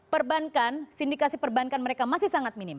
perbankan sindikasi perbankan mereka masih sangat minim